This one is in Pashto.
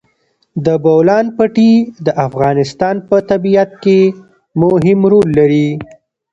د بولان پټي د افغانستان په طبیعت کې مهم رول لري.